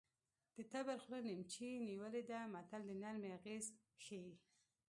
د تبر خوله نیمڅي نیولې ده متل د نرمۍ اغېز ښيي